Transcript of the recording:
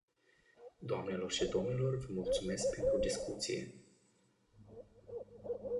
Doamnelor și domnilor, vă mulțumesc pentru discuție.